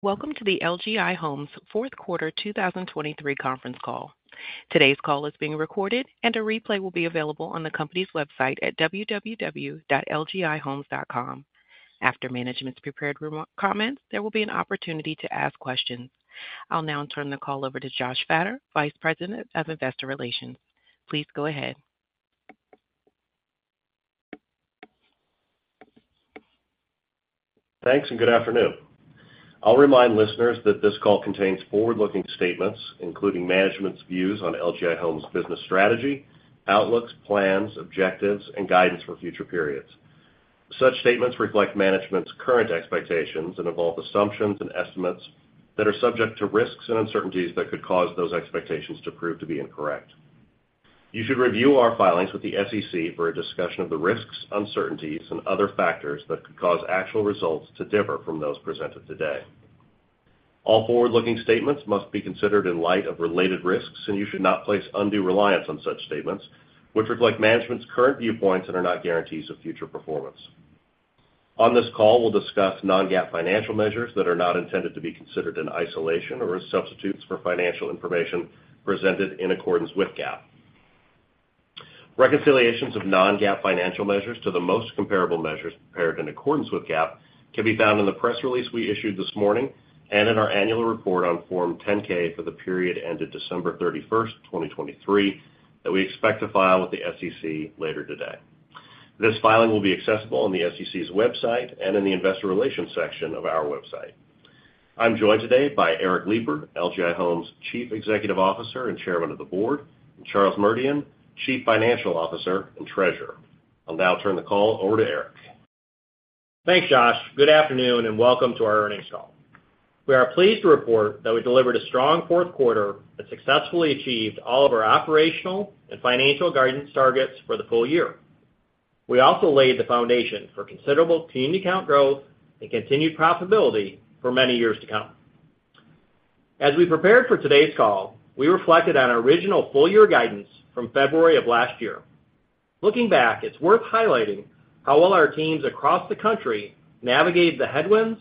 Welcome to the LGI Homes fourth quarter 2023 conference call. Today's call is being recorded, and a replay will be available on the company's website at www.lgihomes.com. After management's prepared comments, there will be an opportunity to ask questions. I'll now turn the call over to Josh Fattor, Vice President of Investor Relations. Please go ahead. Thanks, and good afternoon. I'll remind listeners that this call contains forward-looking statements, including management's views on LGI Homes' business strategy, outlooks, plans, objectives, and guidance for future periods. Such statements reflect management's current expectations and involve assumptions and estimates that are subject to risks and uncertainties that could cause those expectations to prove to be incorrect. You should review our filings with the SEC for a discussion of the risks, uncertainties, and other factors that could cause actual results to differ from those presented today. All forward-looking statements must be considered in light of related risks, and you should not place undue reliance on such statements, which reflect management's current viewpoints and are not guarantees of future performance. On this call, we'll discuss non-GAAP financial measures that are not intended to be considered in isolation or as substitutes for financial information presented in accordance with GAAP. Reconciliations of non-GAAP financial measures to the most comparable measures prepared in accordance with GAAP can be found in the press release we issued this morning and in our annual report on Form 10-K for the period ended December 31st, 2023, that we expect to file with the SEC later today. This filing will be accessible on the SEC's website and in the Investor Relations section of our website. I'm joined today by Eric Lipar, LGI Homes' Chief Executive Officer and Chairman of the Board, and Charles Merdian, Chief Financial Officer and Treasurer. I'll now turn the call over to Eric. Thanks, Josh. Good afternoon and welcome to our earnings call. We are pleased to report that we delivered a strong fourth quarter that successfully achieved all of our operational and financial guidance targets for the full year. We also laid the foundation for considerable community count growth and continued profitability for many years to come. As we prepared for today's call, we reflected on our original full-year guidance from February of last year. Looking back, it's worth highlighting how well our teams across the country navigated the headwinds,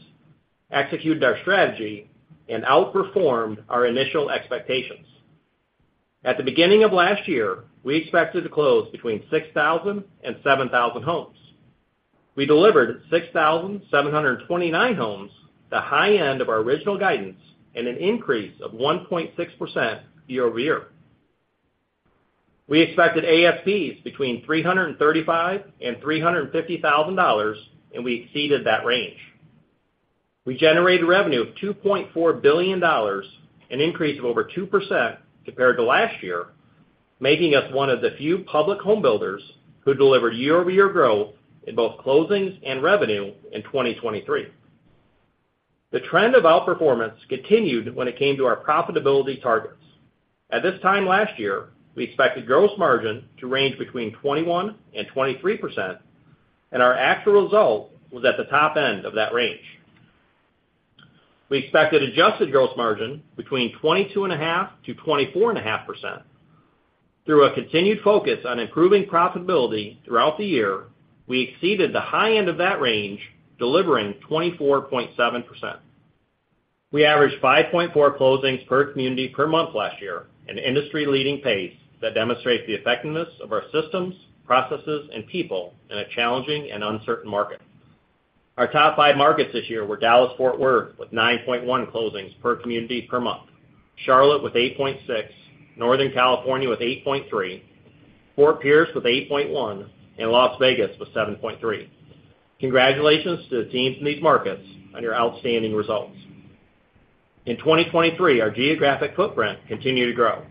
executed our strategy, and outperformed our initial expectations. At the beginning of last year, we expected to close between 6,000 and 7,000 homes. We delivered 6,729 homes, the high end of our original guidance, and an increase of 1.6% year-over-year. We expected ASPs between $335,000 and $350,000, and we exceeded that range. We generated revenue of $2.4 billion, an increase of over 2% compared to last year, making us one of the few public home builders who delivered year-over-year growth in both closings and revenue in 2023. The trend of outperformance continued when it came to our profitability targets. At this time last year, we expected gross margin to range between 21%-23%, and our actual result was at the top end of that range. We expected adjusted gross margin between 22.5%-24.5%. Through a continued focus on improving profitability throughout the year, we exceeded the high end of that range, delivering 24.7%. We averaged 5.4 closings per community per month last year, an industry-leading pace that demonstrates the effectiveness of our systems, processes, and people in a challenging and uncertain market. Our top five markets this year were Dallas-Fort Worth with 9.1 closings per community per month, Charlotte with 8.6, Northern California with 8.3, Fort Pierce with 8.1, and Las Vegas with 7.3. Congratulations to the teams in these markets on your outstanding results. In 2023, our geographic footprint continued to grow.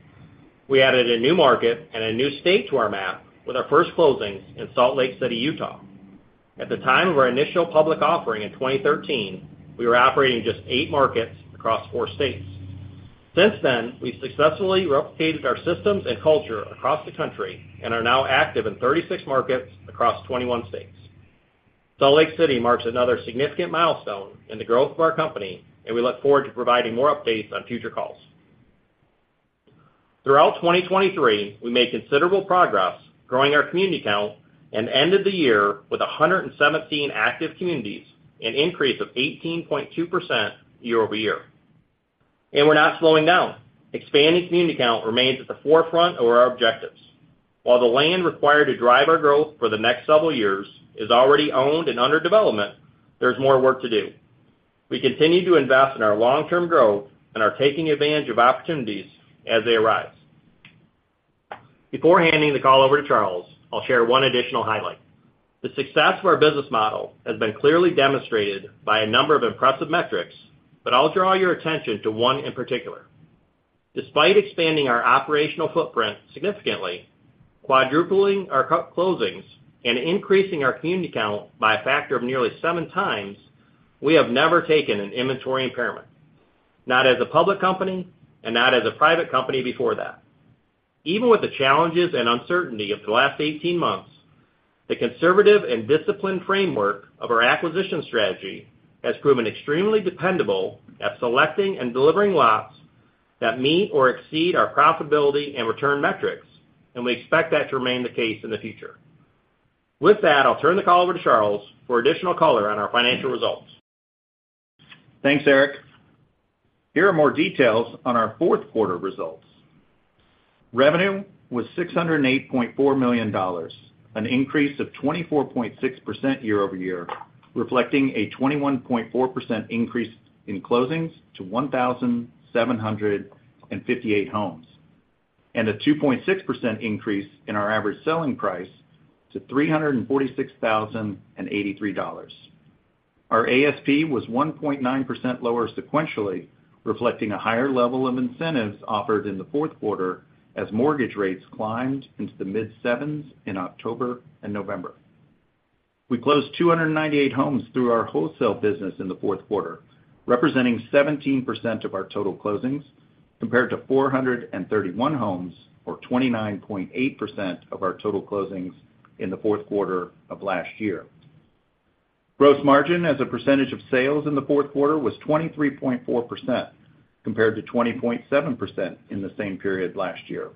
We added a new market and a new state to our map with our first closings in Salt Lake City, Utah. At the time of our initial public offering in 2013, we were operating just eight markets across four states. Since then, we've successfully replicated our systems and culture across the country and are now active in 36 markets across 21 states. Salt Lake City marks another significant milestone in the growth of our company, and we look forward to providing more updates on future calls. Throughout 2023, we made considerable progress growing our community count and ended the year with 117 active communities, an increase of 18.2% year-over-year. We're not slowing down. Expanding community count remains at the forefront of our objectives. While the land required to drive our growth for the next several years is already owned and under development, there's more work to do. We continue to invest in our long-term growth and are taking advantage of opportunities as they arise. Before handing the call over to Charles, I'll share one additional highlight. The success of our business model has been clearly demonstrated by a number of impressive metrics, but I'll draw your attention to one in particular. Despite expanding our operational footprint significantly, quadrupling our closings, and increasing our community count by a factor of nearly seven times, we have never taken an inventory impairment, not as a public company and not as a private company before that. Even with the challenges and uncertainty of the last 18 months, the conservative and disciplined framework of our acquisition strategy has proven extremely dependable at selecting and delivering lots that meet or exceed our profitability and return metrics, and we expect that to remain the case in the future. With that, I'll turn the call over to Charles for additional color on our financial results. Thanks, Eric. Here are more details on our fourth quarter results. Revenue was $608.4 million, an increase of 24.6% year-over-year, reflecting a 21.4% increase in closings to 1,758 homes and a 2.6% increase in our average selling price to $346,083. Our ASP was 1.9% lower sequentially, reflecting a higher level of incentives offered in the fourth quarter as mortgage rates climbed into the mid-sevens in October and November. We closed 298 homes through our wholesale business in the fourth quarter, representing 17% of our total closings compared to 431 homes or 29.8% of our total closings in the fourth quarter of last year. Gross margin as a percentage of sales in the fourth quarter was 23.4% compared to 20.7% in the same period last year.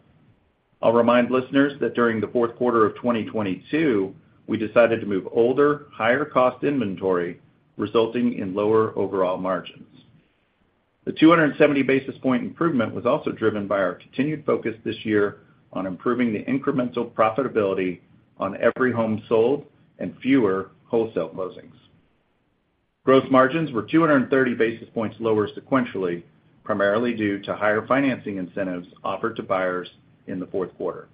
I'll remind listeners that during the fourth quarter of 2022, we decided to move older, higher-cost inventory, resulting in lower overall margins. The 270 basis point improvement was also driven by our continued focus this year on improving the incremental profitability on every home sold and fewer wholesale closings. Gross margins were 230 basis points lower sequentially, primarily due to higher financing incentives offered to buyers in the fourth quarter.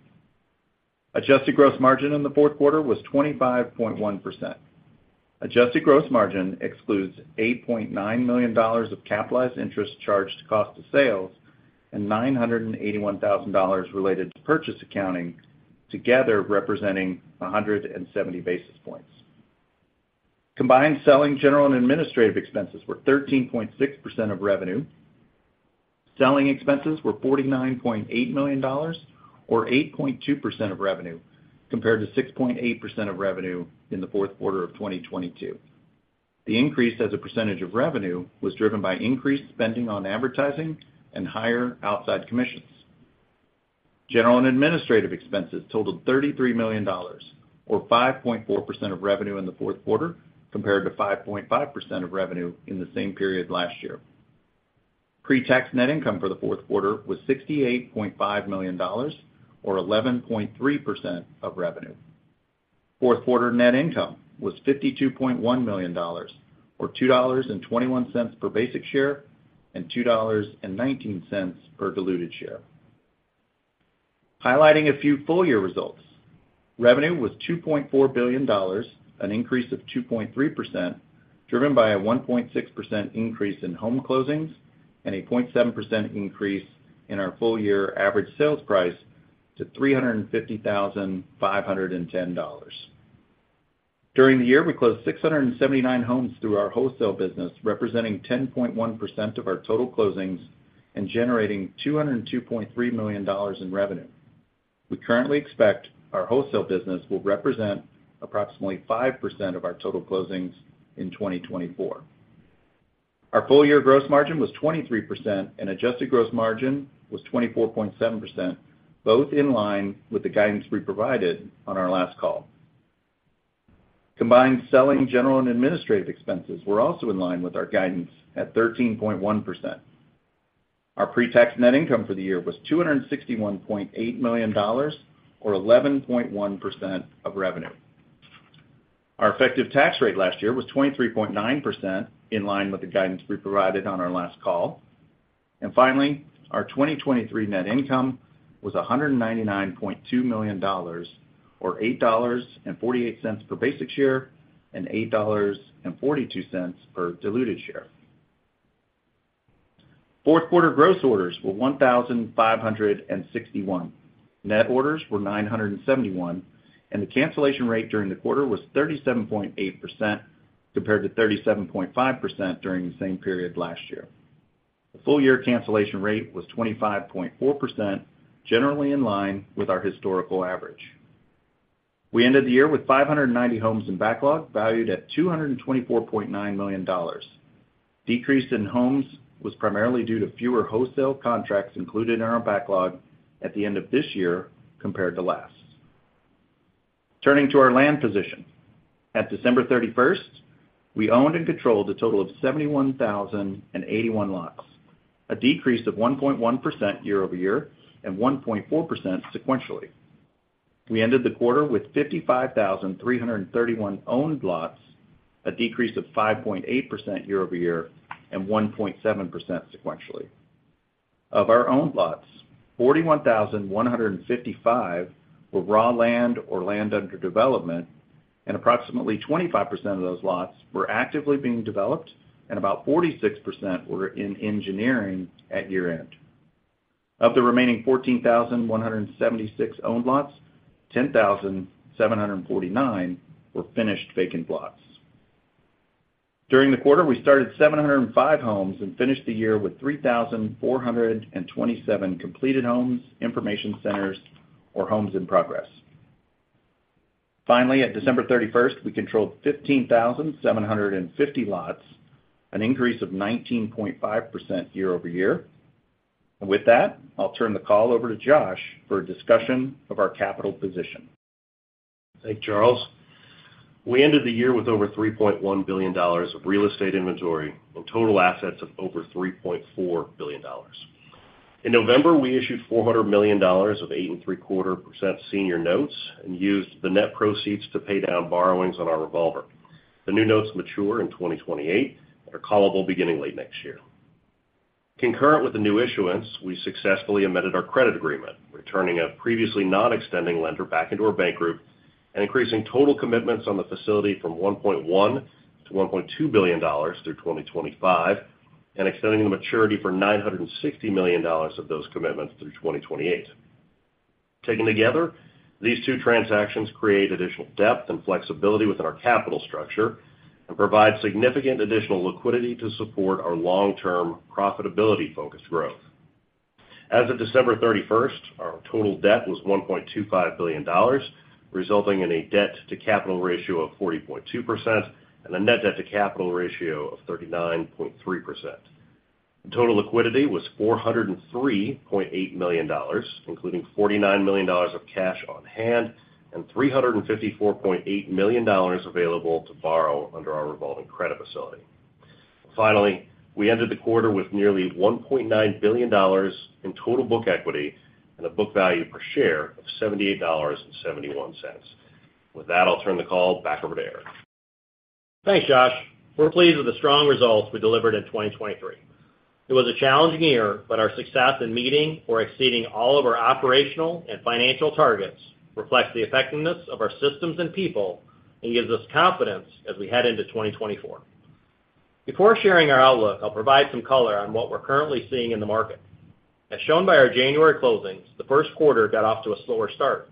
Adjusted gross Margin in the fourth quarter was 25.1%. Adjusted gross Margin excludes $8.9 million of capitalized interest charged to cost of sales and $981,000 related to purchase accounting, together representing 170 basis points. Combined selling, general, and administrative expenses were 13.6% of revenue. Selling expenses were $49.8 million or 8.2% of revenue compared to 6.8% of revenue in the fourth quarter of 2022. The increase as a percentage of revenue was driven by increased spending on advertising and higher outside commissions. General and administrative expenses totaled $33 million or 5.4% of revenue in the fourth quarter compared to 5.5% of revenue in the same period last year. Pre-tax net income for the fourth quarter was $68.5 million or 11.3% of revenue. Fourth quarter net income was $52.1 million or $2.21 per basic share and $2.19 per diluted share. Highlighting a few full-year results, revenue was $2.4 billion, an increase of 2.3% driven by a 1.6% increase in home closings and a 0.7% increase in our full-year average sales price to $350,510. During the year, we closed 679 homes through our wholesale business, representing 10.1% of our total closings and generating $202.3 million in revenue. We currently expect our wholesale business will represent approximately 5% of our total closings in 2024. Our full-year gross margin was 23% and adjusted gross margin was 24.7%, both in line with the guidance we provided on our last call. Combined selling general and administrative expenses were also in line with our guidance at 13.1%. Our pre-tax net income for the year was $261.8 million or 11.1% of revenue. Our effective tax rate last year was 23.9%, in line with the guidance we provided on our last call. And finally, our 2023 net income was $199.2 million or $8.48 per basic share and $8.42 per diluted share. Fourth quarter gross orders were 1,561. Net orders were 971, and the cancellation rate during the quarter was 37.8% compared to 37.5% during the same period last year. The full-year cancellation rate was 25.4%, generally in line with our historical average. We ended the year with 590 homes in backlog valued at $224.9 million. Decrease in homes was primarily due to fewer wholesale contracts included in our backlog at the end of this year compared to last. Turning to our land position, at December 31st, we owned and controlled a total of 71,081 lots, a decrease of 1.1% year-over-year and 1.4% sequentially. We ended the quarter with 55,331 owned lots, a decrease of 5.8% year-over-year and 1.7% sequentially. Of our owned lots, 41,155 were raw land or land under development, and approximately 25% of those lots were actively being developed, and about 46% were in engineering at year-end. Of the remaining 14,176 owned lots, 10,749 were finished vacant lots. During the quarter, we started 705 homes and finished the year with 3,427 completed homes, information centers, or homes in progress. Finally, at December 31st, we controlled 15,750 lots, an increase of 19.5% year-over-year. With that, I'll turn the call over to Josh for a discussion of our capital position. Thanks, Charles. We ended the year with over $3.1 billion of real estate inventory and total assets of over $3.4 billion. In November, we issued $400 million of 8.75% senior notes and used the net proceeds to pay down borrowings on our revolver. The new notes mature in 2028 and are callable beginning late next year. Concurrent with the new issuance, we successfully amended our credit agreement, returning a previously non-extending lender back into our bank group and increasing total commitments on the facility from $1.1-$1.2 billion through 2025, and extending the maturity for $960 million of those commitments through 2028. Taken together, these two transactions create additional depth and flexibility within our capital structure and provide significant additional liquidity to support our long-term profitability-focused growth. As of December 31st, our total debt was $1.25 billion, resulting in a debt-to-capital ratio of 40.2% and a net debt-to-capital ratio of 39.3%. Total liquidity was $403.8 million, including $49 million of cash on hand and $354.8 million available to borrow under our revolving credit facility. Finally, we ended the quarter with nearly $1.9 billion in total book equity and a book value per share of $78.71. With that, I'll turn the call back over to Eric. Thanks, Josh. We're pleased with the strong results we delivered in 2023. It was a challenging year, but our success in meeting or exceeding all of our operational and financial targets reflects the effectiveness of our systems and people and gives us confidence as we head into 2024. Before sharing our outlook, I'll provide some color on what we're currently seeing in the market. As shown by our January closings, the first quarter got off to a slower start.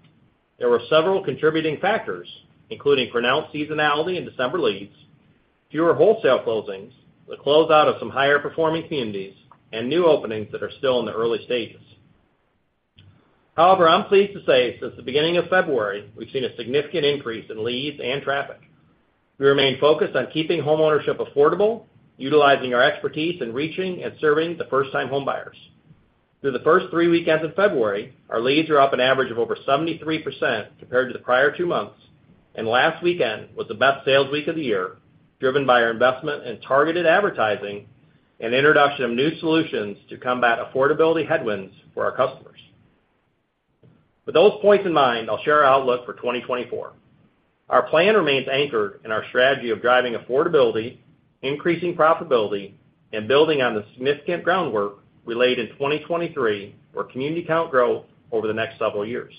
There were several contributing factors, including pronounced seasonality in December leads, fewer wholesale closings, the closeout of some higher-performing communities, and new openings that are still in the early stages. However, I'm pleased to say since the beginning of February, we've seen a significant increase in leads and traffic. We remain focused on keeping homeownership affordable, utilizing our expertise in reaching and serving the first-time homebuyers. Through the first three weekends of February, our leads were up an average of over 73% compared to the prior two months, and last weekend was the best sales week of the year, driven by our investment in targeted advertising and introduction of new solutions to combat affordability headwinds for our customers. With those points in mind, I'll share our outlook for 2024. Our plan remains anchored in our strategy of driving affordability, increasing profitability, and building on the significant groundwork we laid in 2023 for community count growth over the next several years.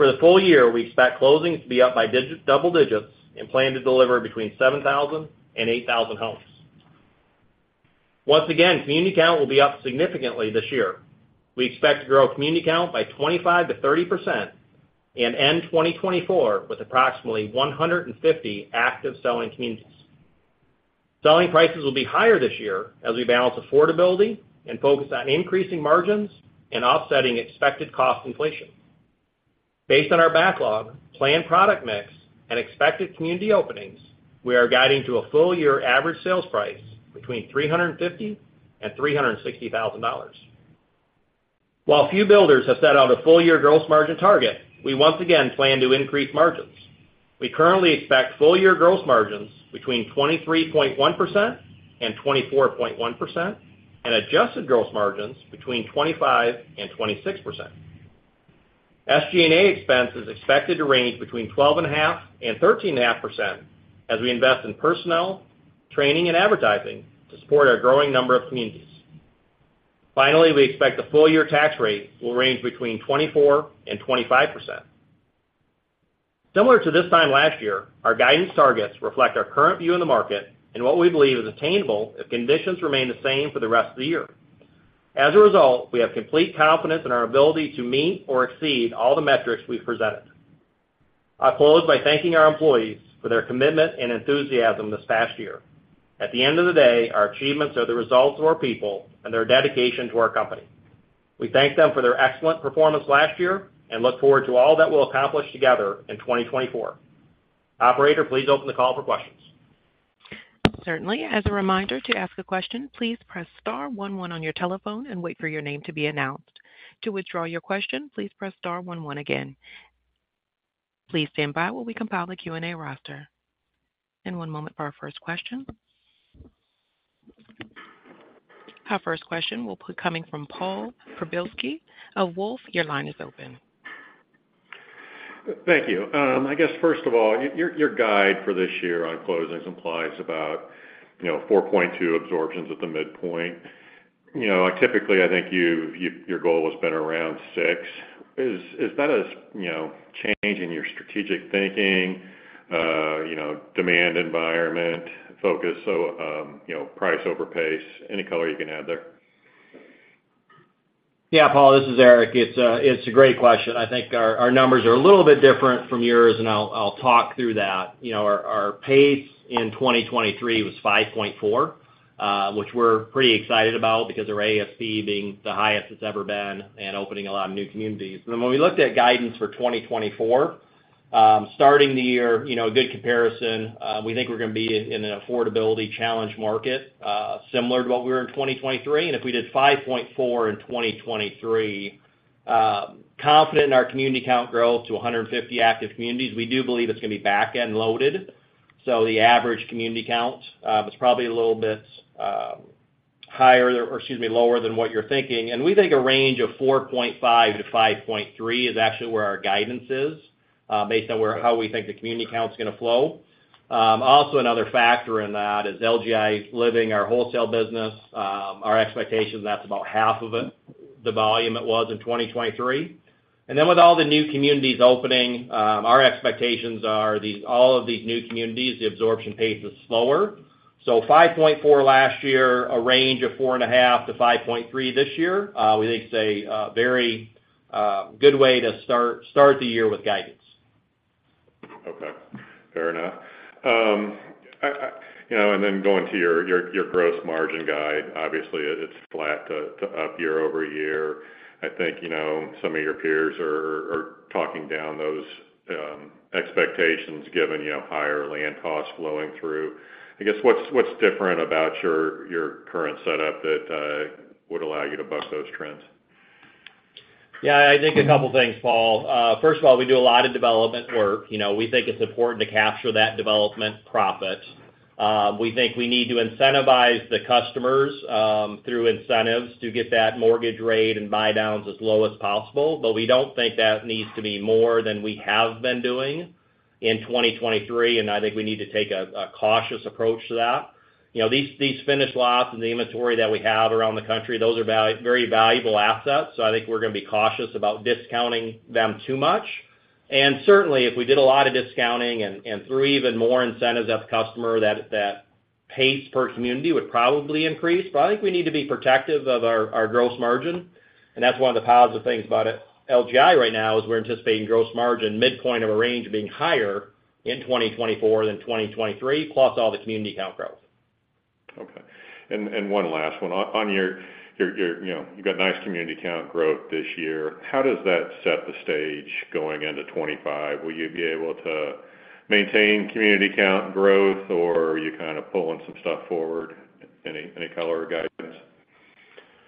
For the full year, we expect closings to be up by double digits and plan to deliver between 7,000-8,000 homes. Once again, community count will be up significantly this year. We expect to grow community count by 25%-30% and end 2024 with approximately 150 active selling communities. Selling prices will be higher this year as we balance affordability and focus on increasing margins and offsetting expected cost inflation. Based on our backlog, planned product mix, and expected community openings, we are guiding to a full-year average sales price between $350,000 and $360,000. While few builders have set out a full-year gross margin target, we once again plan to increase margins. We currently expect full-year gross margins between 23.1% and 24.1% and adjusted gross margins between 25% and 26%. SG&A expense is expected to range between 12.5% and 13.5% as we invest in personnel, training, and advertising to support our growing number of communities. Finally, we expect the full-year tax rate will range between 24% and 25%. Similar to this time last year, our guidance targets reflect our current view of the market and what we believe is attainable if conditions remain the same for the rest of the year. As a result, we have complete confidence in our ability to meet or exceed all the metrics we've presented. I'll close by thanking our employees for their commitment and enthusiasm this past year. At the end of the day, our achievements are the results of our people and their dedication to our company. We thank them for their excellent performance last year and look forward to all that we'll accomplish together in 2024. Operator, please open the call for questions. Certainly. As a reminder, to ask a question, please press star 11 on your telephone and wait for your name to be announced. To withdraw your question, please press star 11 again. Please stand by while we compile the Q&A roster. One moment for our first question. Our first question will be coming from Paul Przybylski of Wolfe. Your line is open. Thank you. I guess, first of all, your guide for this year on closings implies about 4.2 absorptions at the midpoint. Typically, I think your goal has been around six. Is that a change in your strategic thinking, demand environment, focus, so price over pace, any color you can add there? Yeah, Paul, this is Eric. It's a great question. I think our numbers are a little bit different from yours, and I'll talk through that. Our pace in 2023 was 5.4, which we're pretty excited about because of our ASP being the highest it's ever been and opening a lot of new communities. And then when we looked at guidance for 2024, starting the year, a good comparison, we think we're going to be in an affordability challenge market similar to what we were in 2023. And if we did 5.4 in 2023, confident in our community count growth to 150 active communities, we do believe it's going to be backend loaded. So the average community count is probably a little bit higher or, excuse me, lower than what you're thinking. We think a range of 4.5-5.3 is actually where our guidance is based on how we think the community count is going to flow. Also, another factor in that is LGI Living, our wholesale business. Our expectations, that's about half of the volume it was in 2023. And then with all the new communities opening, our expectations are all of these new communities, the absorption pace is slower. So 5.4 last year, a range of 4.5-5.3 this year, we think is a very good way to start the year with guidance. Okay. Fair enough. And then going to your gross margin guide, obviously, it's flat to up year-over-year. I think some of your peers are talking down those expectations given higher land costs flowing through. I guess, what's different about your current setup that would allow you to buck those trends? Yeah, I think a couple of things, Paul. First of all, we do a lot of development work. We think it's important to capture that development profit. We think we need to incentivize the customers through incentives to get that mortgage rate and buy-downs as low as possible. But we don't think that needs to be more than we have been doing in 2023, and I think we need to take a cautious approach to that. These finished lots and the inventory that we have around the country, those are very valuable assets. So I think we're going to be cautious about discounting them too much. And certainly, if we did a lot of discounting and threw even more incentives at the customer, that pace per community would probably increase. But I think we need to be protective of our gross margin. That's one of the positive things about LGI right now is we're anticipating gross margin midpoint of a range being higher in 2024 than 2023, plus all the community count growth. Okay. And one last one. You've got nice community count growth this year. How does that set the stage going into 2025? Will you be able to maintain community count growth, or are you kind of pulling some stuff forward, any color of guidance?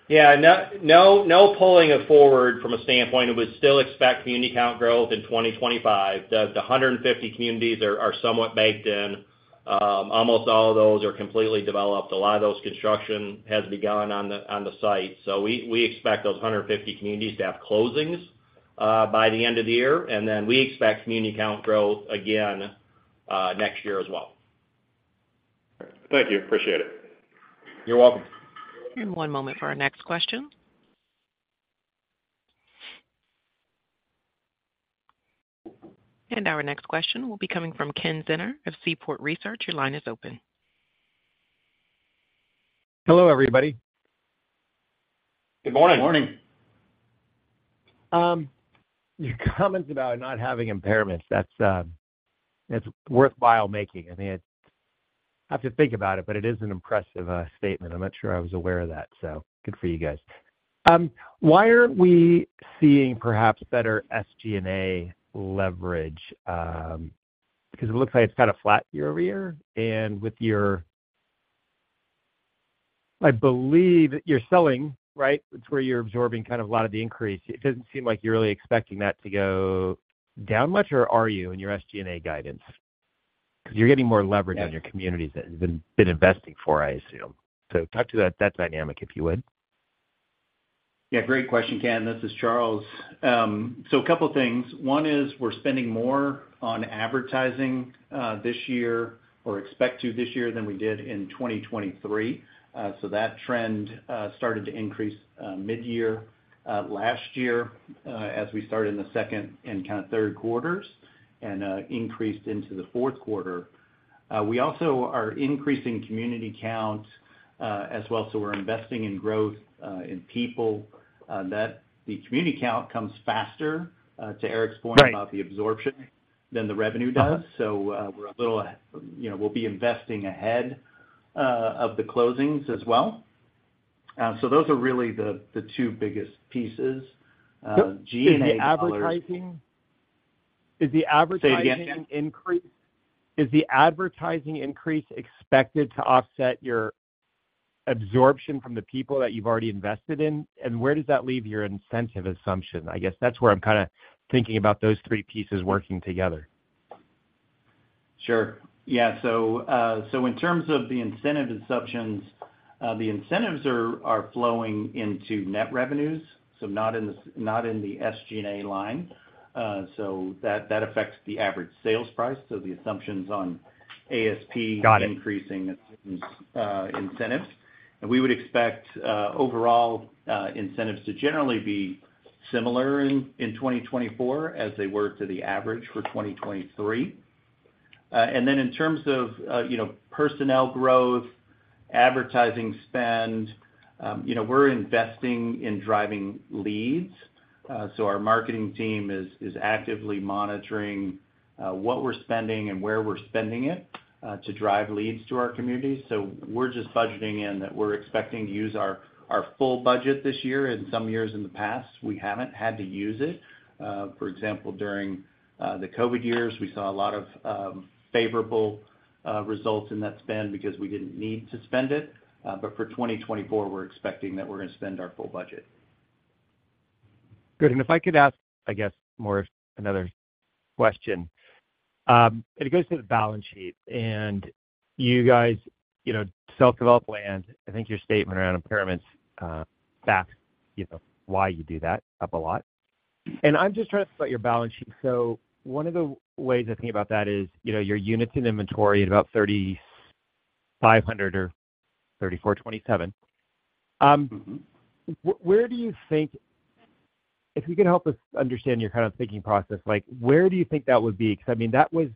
Yeah, no pulling it forward from a standpoint. We still expect community count growth in 2025. The 150 communities are somewhat baked in. Almost all of those are completely developed. A lot of those construction has begun on the site. So we expect those 150 communities to have closings by the end of the year. And then we expect community count growth again next year as well. Thank you. Appreciate it. You're welcome. One moment for our next question. Our next question will be coming from Ken Zener of Seaport Research. Your line is open. Hello, everybody. Good morning. Good morning. Your comments about not having impairments, that's worthwhile making. I mean, I have to think about it, but it is an impressive statement. I'm not sure I was aware of that, so good for you guys. Why aren't we seeing perhaps better SG&A leverage? Because it looks like it's kind of flat year-over-year. And with your I believe you're selling, right? It's where you're absorbing kind of a lot of the increase. It doesn't seem like you're really expecting that to go down much, or are you in your SG&A guidance? Because you're getting more leverage on your communities that you've been investing for, I assume. So talk to that dynamic if you would. Yeah, great question, Ken. This is Charles. So a couple of things. One is we're spending more on advertising this year or expect to this year than we did in 2023. So that trend started to increase mid-year last year as we started in the second and kind of third quarters and increased into the fourth quarter. We also are increasing community count as well. So we're investing in growth in people. The community count comes faster, to Eric's point about the absorption, than the revenue does. So we're a little we'll be investing ahead of the closings as well. So those are really the two biggest pieces. G&A leverage. Is the advertising increase expected to offset your absorption from the people that you've already invested in? And where does that leave your incentive assumption? I guess that's where I'm kind of thinking about those three pieces working together. Sure. Yeah. So in terms of the incentive assumptions, the incentives are flowing into net revenues, so not in the SG&A line. So that affects the average sales price. So the assumptions on ASP increasing incentives. And we would expect overall incentives to generally be similar in 2024 as they were to the average for 2023. And then in terms of personnel growth, advertising spend, we're investing in driving leads. So our marketing team is actively monitoring what we're spending and where we're spending it to drive leads to our communities. So we're just budgeting in that we're expecting to use our full budget this year. In some years in the past, we haven't had to use it. For example, during the COVID years, we saw a lot of favorable results in that spend because we didn't need to spend it. For 2024, we're expecting that we're going to spend our full budget. Good. And if I could ask, I guess, another question. It goes to the balance sheet. And you guys self-develop land. I think your statement around impairments backs why you do that up a lot. And I'm just trying to think about your balance sheet. So one of the ways I think about that is your units in inventory at about 3,500 or 3,427. Where do you think if you could help us understand your kind of thinking process, where do you think that would be? Because, I mean, that was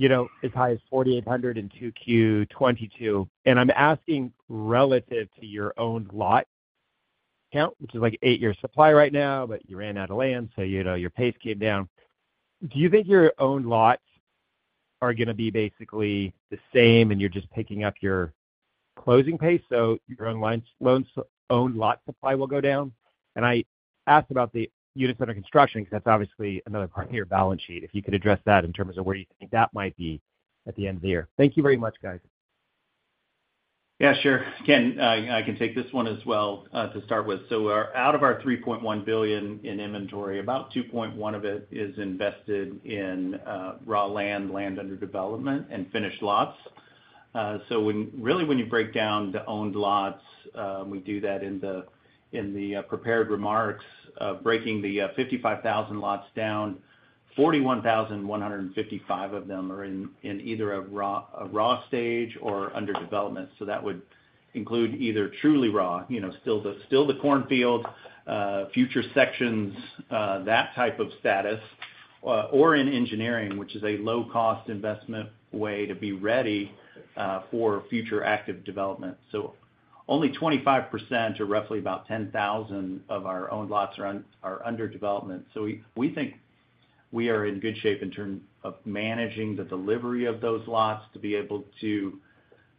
as high as 4,800 in 2Q2022. And I'm asking relative to your owned lot count, which is like eight-year supply right now, but you ran out of land, so your pace came down. Do you think your owned lots are going to be basically the same, and you're just picking up your closing pace so your owned lot supply will go down? And I asked about the units under construction because that's obviously another part of your balance sheet. If you could address that in terms of where you think that might be at the end of the year. Thank you very much, guys. Yeah, sure. Ken, I can take this one as well to start with. So out of our $3.1 billion in inventory, about $2.1 billion of it is invested in raw land, land under development, and finished lots. So really, when you break down the owned lots, we do that in the prepared remarks, breaking the 55,000 lots down, 41,155 of them are in either a raw stage or under development. So that would include either truly raw, still the cornfield, future sections, that type of status, or in engineering, which is a low-cost investment way to be ready for future active development. So only 25% or roughly about 10,000 of our owned lots are under development. So we think we are in good shape in terms of managing the delivery of those lots to be able to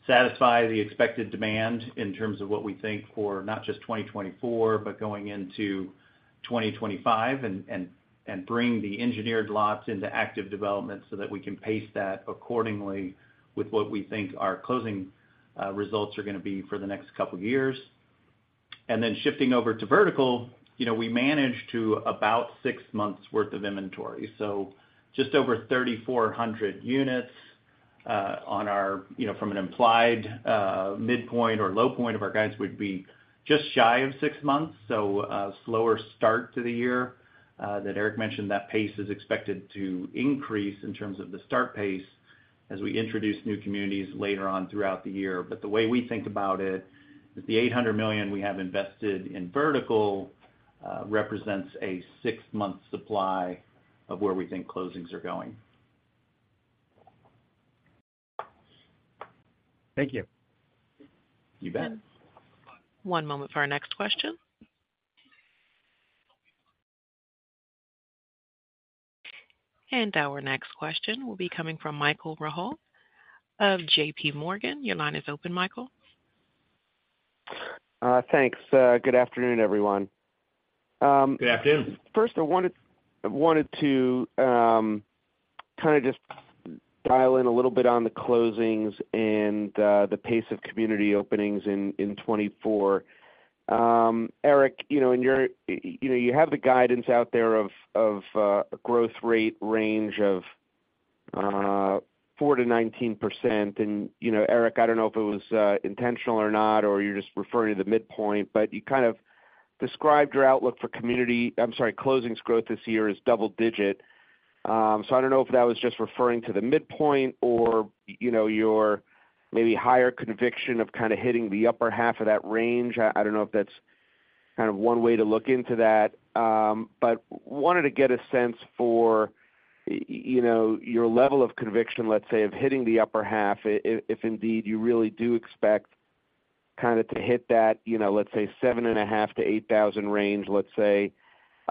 satisfy the expected demand in terms of what we think for not just 2024, but going into 2025 and bring the engineered lots into active development so that we can pace that accordingly with what we think our closing results are going to be for the next couple of years. And then shifting over to vertical, we manage to about six months' worth of inventory. So just over 3,400 units from an implied midpoint or low point of our guidance would be just shy of six months. So a slower start to the year that Eric mentioned, that pace is expected to increase in terms of the start pace as we introduce new communities later on throughout the year. But the way we think about it is the $800 million we have invested in vertical represents a six-month supply of where we think closings are going. Thank you. You bet. One moment for our next question. Our next question will be coming from Michael Rehaut of J.P. Morgan. Your line is open, Michael. Thanks. Good afternoon, everyone. Good afternoon. First, I wanted to kind of just dial in a little bit on the closings and the pace of community openings in 2024. Eric, you have the guidance out there of a growth rate range of 4%-19%. Eric, I don't know if it was intentional or not, or you're just referring to the midpoint, but you kind of described your outlook for community. I'm sorry, closings growth this year is double-digit. So I don't know if that was just referring to the midpoint or your maybe higher conviction of kind of hitting the upper half of that range. I don't know if that's kind of one way to look into that. But wanted to get a sense for your level of conviction, let's say, of hitting the upper half, if indeed you really do expect kind of to hit that, let's say, 7,500-8,000 range, let's say.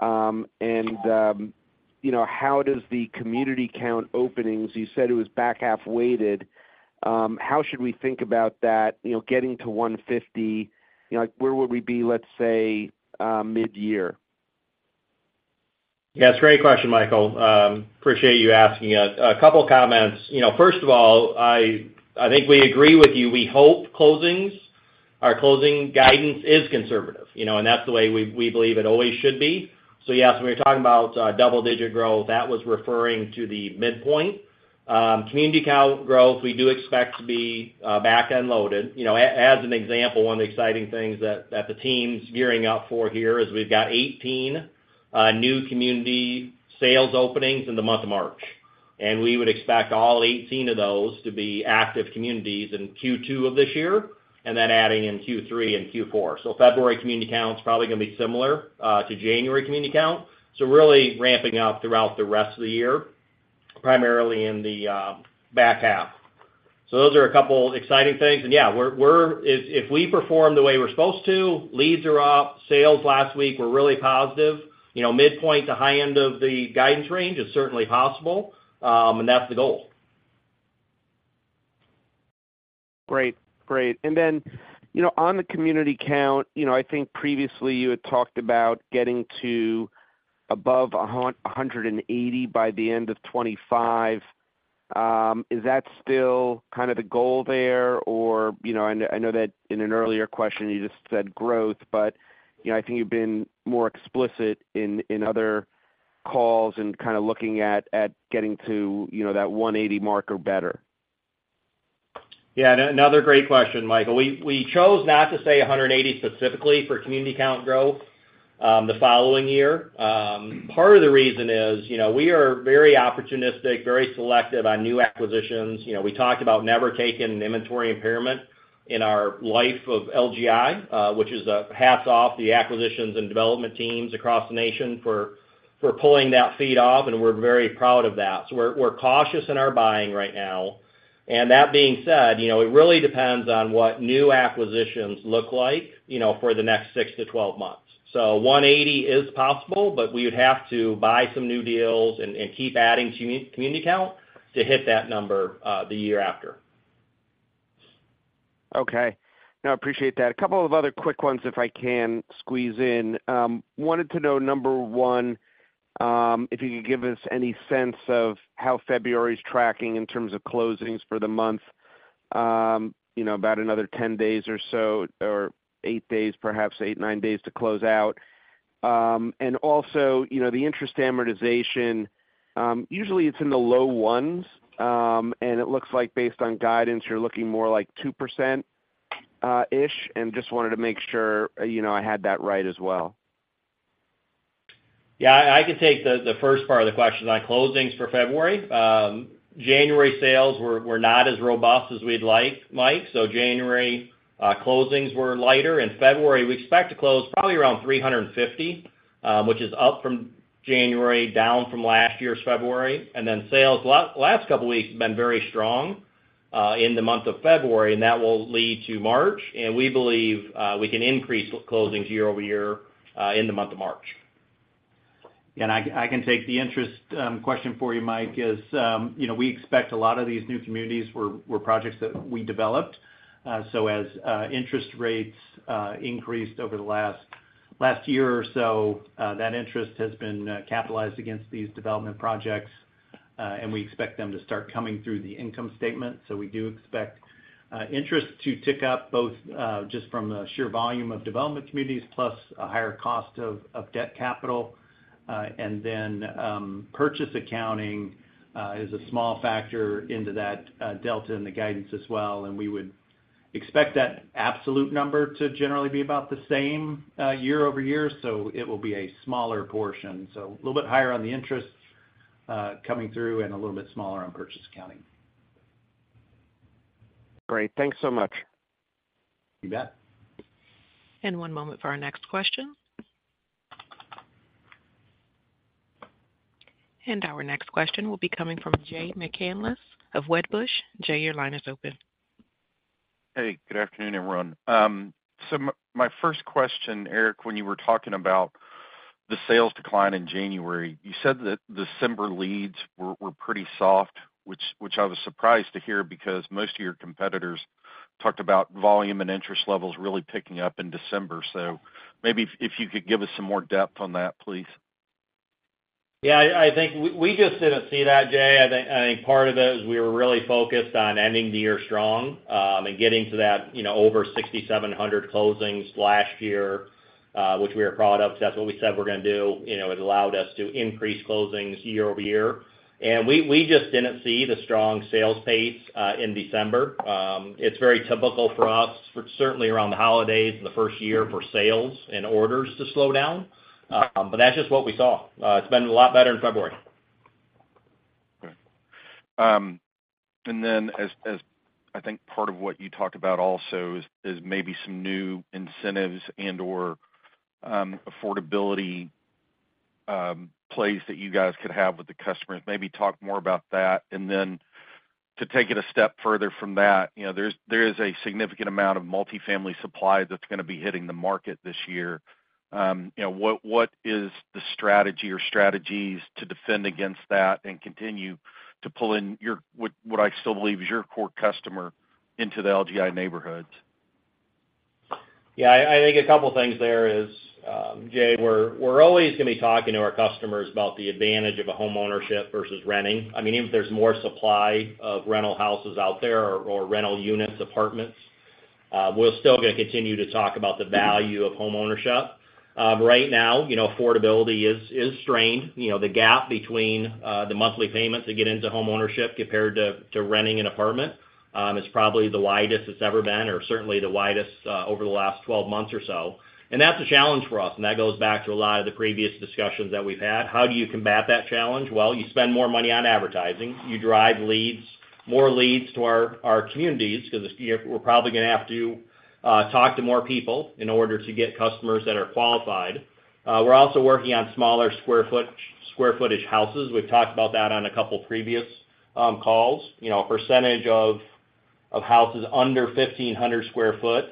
And how does the community count openings you said it was back-half-weighted? How should we think about that getting to 150? Where would we be, let's say, mid-year? Yeah, it's a great question, Michael. Appreciate you asking it. A couple of comments. First of all, I think we agree with you. We hope our closing guidance is conservative, and that's the way we believe it always should be. So yes, when we were talking about double-digit growth, that was referring to the midpoint. Community count growth, we do expect to be back-loaded. As an example, one of the exciting things that the team's gearing up for here is we've got 18 new community sales openings in the month of March. And we would expect all 18 of those to be active communities in Q2 of this year, and then adding in Q3 and Q4. So February community count's probably going to be similar to January community count. So really ramping up throughout the rest of the year, primarily in the back half. So those are a couple of exciting things. And yeah, if we perform the way we're supposed to, leads are up, sales last week were really positive, midpoint to high end of the guidance range is certainly possible, and that's the goal. Great. Great. And then on the community count, I think previously you had talked about getting to above 180 by the end of 2025. Is that still kind of the goal there? And I know that in an earlier question, you just said growth, but I think you've been more explicit in other calls and kind of looking at getting to that 180 mark or better. Yeah, another great question, Michael. We chose not to say 180 specifically for community count growth the following year. Part of the reason is we are very opportunistic, very selective on new acquisitions. We talked about never taking inventory impairment in our life of LGI, which is a hats off to the acquisitions and development teams across the nation for pulling that feat off. We're very proud of that. We're cautious in our buying right now. That being said, it really depends on what new acquisitions look like for the next 6-12 months. 180 is possible, but we would have to buy some new deals and keep adding community count to hit that number the year after. Okay. No, I appreciate that. A couple of other quick ones, if I can squeeze in. Wanted to know, number one, if you could give us any sense of how February's tracking in terms of closings for the month, about another 10 days or so, or eight days, perhaps eight, nine days to close out. And also, the interest amortization, usually it's in the low ones. And it looks like based on guidance, you're looking more like 2%-ish. And just wanted to make sure I had that right as well. Yeah, I can take the first part of the question on closings for February. January sales, we're not as robust as we'd like, Mike. So January closings were lighter. In February, we expect to close probably around 350, which is up from January, down from last year's February. And then sales, last couple of weeks, have been very strong in the month of February. And that will lead to March. And we believe we can increase closings year-over-year in the month of March. Yeah, and I can take the interest question for you, Mike. Is we expect a lot of these new communities were projects that we developed. So as interest rates increased over the last year or so, that interest has been capitalized against these development projects. And we expect them to start coming through the income statement. So we do expect interest to tick up both just from the sheer volume of development communities plus a higher cost of debt capital. And then purchase accounting is a small factor into that delta in the guidance as well. And we would expect that absolute number to generally be about the same year-over-year. So it will be a smaller portion. So a little bit higher on the interest coming through and a little bit smaller on purchase accounting. Great. Thanks so much. You bet. One moment for our next question. Our next question will be coming from Jay McCanless of Wedbush. Jay, your line is open. Hey, good afternoon, everyone. My first question, Eric, when you were talking about the sales decline in January, you said that December leads were pretty soft, which I was surprised to hear because most of your competitors talked about volume and interest levels really picking up in December. Maybe if you could give us some more depth on that, please. Yeah, I think we just didn't see that, Jay. I think part of it was we were really focused on ending the year strong and getting to that over 6,700 closings last year, which we were proud of because that's what we said we're going to do. It allowed us to increase closings year-over-year. And we just didn't see the strong sales pace in December. It's very typical for us, certainly around the holidays in the first year for sales and orders to slow down. But that's just what we saw. It's been a lot better in February. Okay. Then I think part of what you talked about also is maybe some new incentives and/or affordability plays that you guys could have with the customers. Maybe talk more about that. Then to take it a step further from that, there is a significant amount of multifamily supply that's going to be hitting the market this year. What is the strategy or strategies to defend against that and continue to pull in what I still believe is your core customer into the LGI neighborhoods? Yeah, I think a couple of things there is, Jay. We're always going to be talking to our customers about the advantage of homeownership versus renting. I mean, even if there's more supply of rental houses out there or rental units, apartments, we're still going to continue to talk about the value of homeownership. Right now, affordability is strained. The gap between the monthly payments to get into homeownership compared to renting an apartment is probably the widest it's ever been or certainly the widest over the last 12 months or so. And that's a challenge for us. And that goes back to a lot of the previous discussions that we've had. How do you combat that challenge? Well, you spend more money on advertising. You drive more leads to our communities because we're probably going to have to talk to more people in order to get customers that are qualified. We're also working on smaller square footage houses. We've talked about that on a couple of previous calls. A percentage of houses under 1,500 sq ft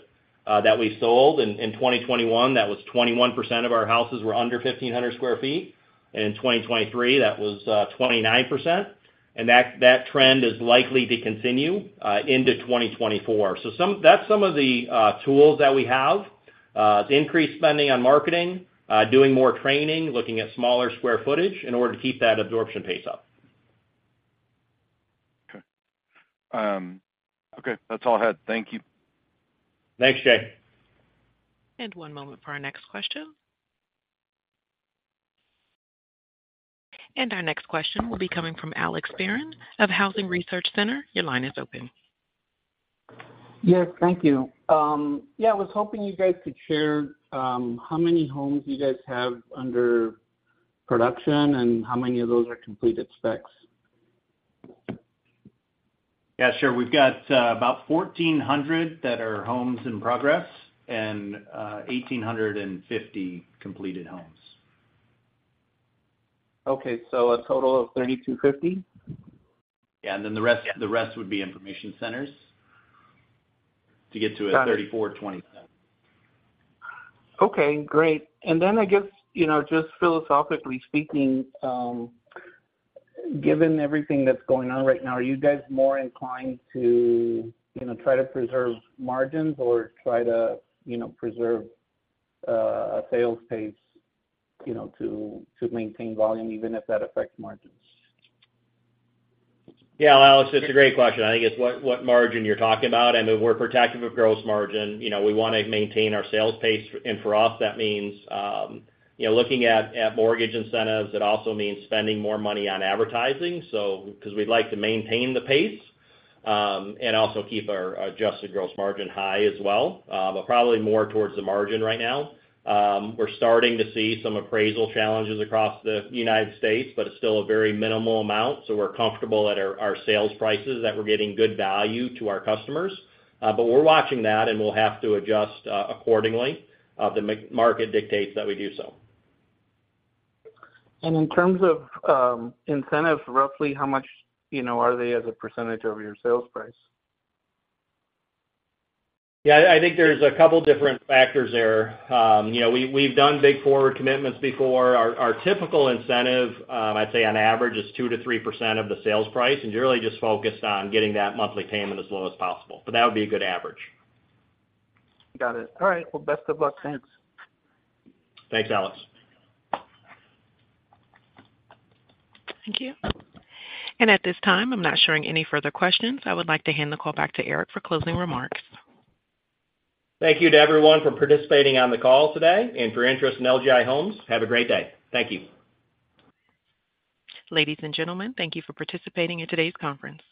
that we sold in 2021, that was 21% of our houses were under 1,500 sq ft. And in 2023, that was 29%. And that trend is likely to continue into 2024. So that's some of the tools that we have. It's increased spending on marketing, doing more training, looking at smaller square footage in order to keep that absorption pace up. Okay. Okay. That's all I had. Thank you. Thanks, Jay. One moment for our next question. Our next question will be coming from Alex Barron of Housing Research Center. Your line is open. Yes, thank you. Yeah, I was hoping you guys could share how many homes you guys have under production and how many of those are completed specs? Yeah, sure. We've got about 1,400 that are homes in progress and 1,850 completed homes. Okay. So a total of 3,250? Yeah. And then the rest would be information centers to get to 3,427. Okay. Great. And then I guess just philosophically speaking, given everything that's going on right now, are you guys more inclined to try to preserve margins or try to preserve sales pace to maintain volume, even if that affects margins? Yeah, Alex, it's a great question. I think it's what margin you're talking about. I mean, we're protective of gross Margin. We want to maintain our sales pace. And for us, that means looking at mortgage incentives. It also means spending more money on advertising because we'd like to maintain the pace and also keep our Adjusted gross Margin high as well, but probably more towards the margin right now. We're starting to see some appraisal challenges across the United States, but it's still a very minimal amount. So we're comfortable at our sales prices that we're getting good value to our customers. But we're watching that, and we'll have to adjust accordingly. The market dictates that we do so. In terms of incentives, roughly how much are they as a percentage of your sales price? Yeah, I think there's a couple of different factors there. We've done big forward commitments before. Our typical incentive, I'd say on average, is 2%-3% of the sales price. And you're really just focused on getting that monthly payment as low as possible. But that would be a good average. Got it. All right. Well, best of luck. Thanks. Thanks, Alex. Thank you. At this time, I'm not showing any further questions. I would like to hand the call back to Eric for closing remarks. Thank you to everyone for participating on the call today and for interest in LGI Homes. Have a great day. Thank you. Ladies and gentlemen, thank you for participating in today's conference.